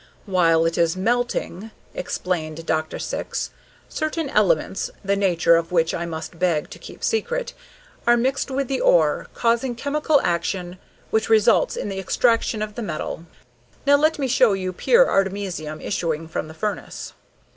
"While it is melting," explained Dr. Syx, "certain elements, the nature of which I must beg to keep secret, are mixed with the ore, causing chemical action which results in the extraction of the metal. Now let me show you pure artemisium issuing from the furnace."